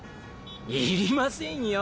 いりませんよ。